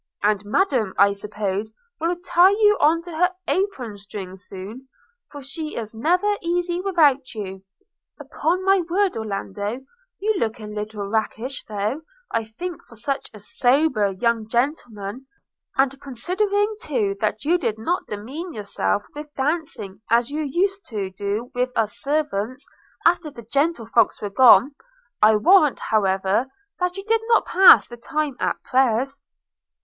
'And Madam I suppose will tie you on to her apron string soon, for she is never easy without you. Upon my word, Mr Orlando, you look a little rakish though, I think, for such a sober young gentleman, and considering too that you did not demean yourself with dancing as you used to do with us servants, after the gentlefolks were gone. I warrant however that you did not pass the time at prayers.'